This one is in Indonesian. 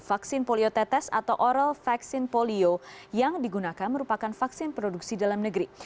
vaksin poliotetes atau oral vaksin polio yang digunakan merupakan vaksin produksi dalam negeri